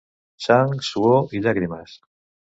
Sang, suor i llàgrimes.